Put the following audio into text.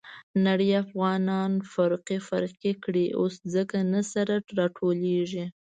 نړۍ افغانان فرقې فرقې کړي. اوس ځکه نه سره راټولېږي.